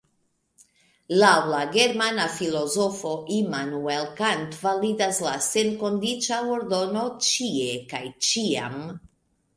Laŭ la germana filozofo Immanuel Kant validas la senkondiĉa ordono ĉie kaj ĉiam.